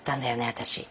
私。